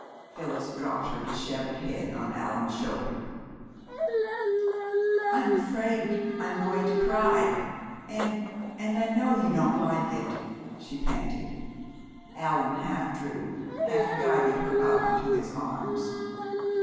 Phyllis dropped her dishevelled head on Allan's shoulder. "I'm afraid I'm going to cry, and and I know you don't like it!" she panted. Allan half drew, half guided her up into his arms.